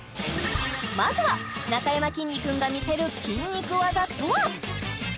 まずはなかやまきんに君が見せる筋肉技とは？